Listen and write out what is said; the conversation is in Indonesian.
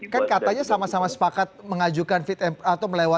kan katanya sama sama sepakat mengajukan fit and atau melewati